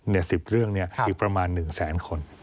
๑๐เรื่องนี้อีกประมาณ๑แสนคน